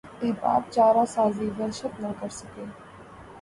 احباب چارہ سازیٴ وحشت نہ کرسکے